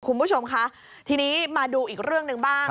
คุณผู้ชมคะทีนี้มาดูอีกเรื่องหนึ่งบ้าง